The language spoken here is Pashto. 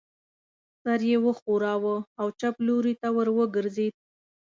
سر یې و ښوراوه او چپ لوري ته ور وګرځېد.